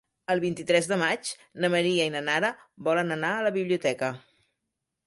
El vint-i-tres de maig na Maria i na Nara volen anar a la biblioteca.